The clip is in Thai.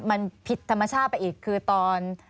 มันผิดธรรมชาติไปอีกคือตอน